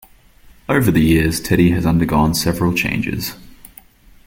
Over the years, Teddy has undergone several changes.